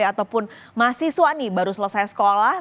ataupun mahasiswa nih baru selesai sekolah